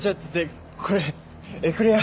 これエクレア。